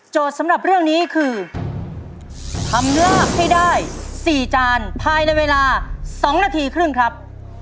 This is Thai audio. สำหรับเรื่องนี้คือทำลาบให้ได้๔จานภายในเวลา๒นาทีครึ่งครับ